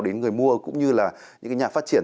đến người mua cũng như là những cái nhà phát triển